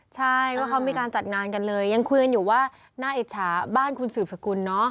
ใช่ว่าเขามีการจัดงานกันเลยยังคุยกันอยู่ว่าน่าอิจฉาบ้านคุณสืบสกุลเนอะ